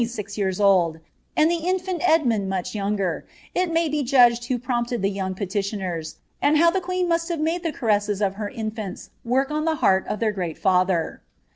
117 years old, and the in&nt Edmund much younger, it may be judged who |>rofnpted the young petitioners, and how the queen must have made the caresses of her infants work on the heart of their great father.